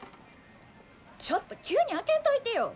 ちょっと急に開けんといてよ！